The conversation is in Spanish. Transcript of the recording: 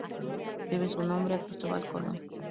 Debe su nombre a Cristóbal Colón.